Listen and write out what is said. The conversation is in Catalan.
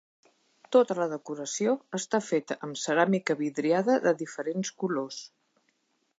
Tota la decoració està feta amb ceràmica vidriada de diferents colors.